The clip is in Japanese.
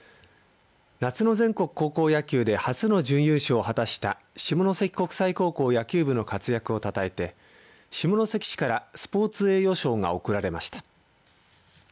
夏の全国高校野球で初の準優勝を果たした下関国際高校野球部の活躍をたたえて下関市からスポーツ栄誉賞が贈られました。